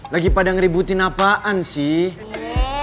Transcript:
lagi pada ngeributin apaan sih